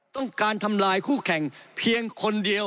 ต้องการทำลายคู่แข่งเพียงคนเดียว